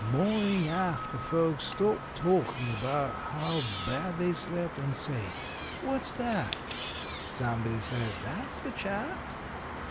Mornin' after folks stop talkin' 'bout how bad they slept and say, "What's that?" somebody says, "That's the Chat."